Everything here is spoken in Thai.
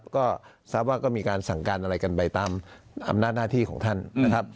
ก็ทราบว่าก็มีการสั่งการอะไรกันไปตามอำนาจหน้าที่ของท่านนะครับ